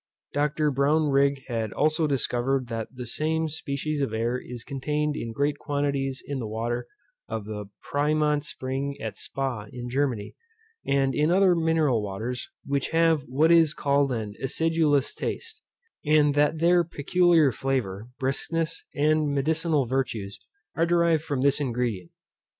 Dr. Brownrigg had also discovered that the same species of air is contained in great quantities in the water of the Pyrmont spring at Spa in Germany, and in other mineral waters, which have what is called an acidulous taste, and that their peculiar flavour, briskness, and medicinal virtues, are derived from this ingredient.